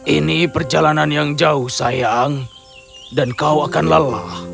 ini perjalanan yang jauh sayang dan kau akan lelah